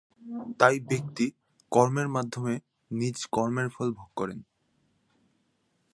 তাই ব্যক্তি কর্মের মাধ্যমে নিজ কর্মের ফল ভোগ করেন।